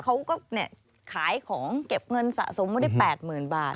เขาก็ขายของเก็บเงินสะสมไว้ได้๘๐๐๐บาท